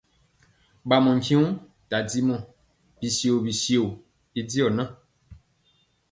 Bamɔ tyeoŋg tadimɔ bityio bityio y diɔ na.